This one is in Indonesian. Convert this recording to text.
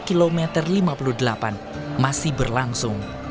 kilometer lima puluh delapan masih berlangsung